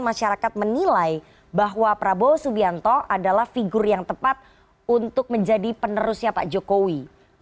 masyarakat menilai bahwa prabowo subianto adalah figur yang tepat untuk menjadi penerusnya pak jokowi